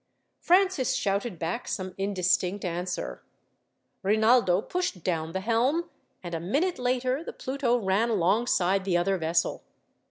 Francis shouted back some indistinct answer. Rinaldo pushed down the helm, and a minute later the Pluto ran alongside the other vessel.